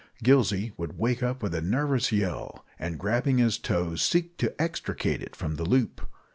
Gillsey would wake up with a nervous yell, and grabbing his toe, seek to extricate it from the loop.